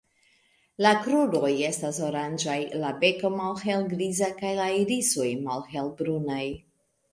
La kruroj estas oranĝaj, la beko malhelgriza kaj la irisoj malhelbrunaj.